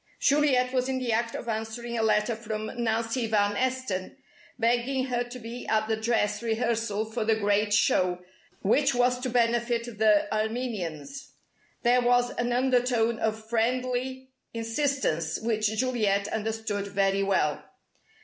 Juliet was in the act of answering a letter from Nancy Van Esten, begging her to be at the dress rehearsal for the "great show" which was to benefit the Armenians. There was an undertone of friendly insistence which Juliet understood very well.